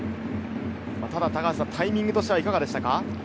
ただ、タイミングとしてはいかがでしたか？